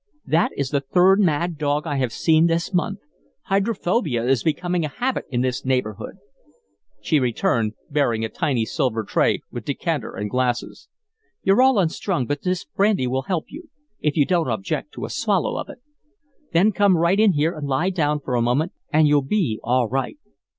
"That is the third mad dog I have seen this month. Hydrophobia is becoming a habit in this neighborhood." She returned, bearing a tiny silver tray with decanter and glasses. "You're all unstrung, but this brandy will help you if you don't object to a swallow of it. Then come right in here and lie down for a moment and you'll be all right."